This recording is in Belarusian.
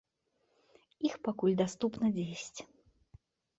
Іх пакуль даступна дзесяць.